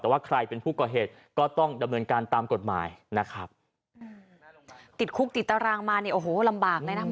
แต่ว่าใครเป็นผู้ก่อเหตุก็ต้องดำเนินการตามกฎหมายนะครับ